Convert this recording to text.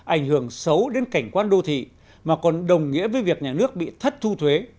ảnh hưởng xấu đến cảnh quan đô thị mà còn đồng nghĩa với việc nhà nước bị thất thu thuế